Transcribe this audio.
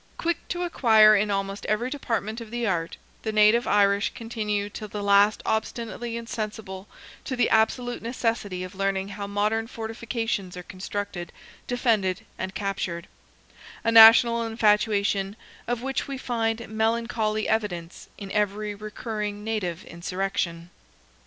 Quick to acquire in almost every department of the art, the native Irish continued till the last obstinately insensible to the absolute necessity of learning how modern fortifications are constructed, defended, and captured; a national infatuation, of which we find melancholy evidence in every recurring native insurrection.